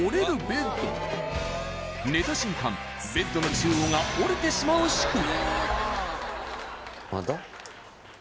ベッドの中央が折れてしまう仕組み